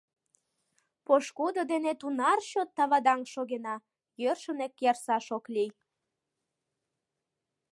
— Пошкудо дене тунар чот тавадаҥ шогена, йӧршынак ярсаш ок лий.